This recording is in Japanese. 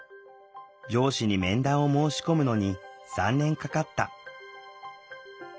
上司に面談を申し込むのに３年かかった。